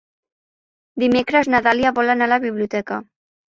Dimecres na Dàlia vol anar a la biblioteca.